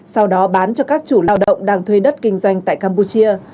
sau đó bán cho các chủ lao động đang thuê đất kinh doanh tại campuchia